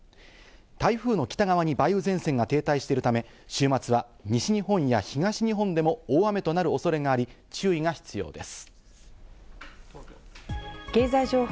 台風の北側に梅雨前線が停滞しているため、週末は西日本や東日本でも大雨となる恐れがあり、注意が必要です。